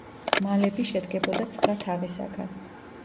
მალები შედგებოდა ცხრა თაღისაგან.